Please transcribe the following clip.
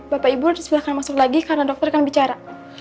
bapak ibu silahkan masuk lagi karena dokter akan bicara